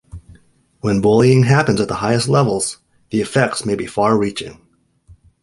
When bullying happens at the highest levels, the effects may be far reaching.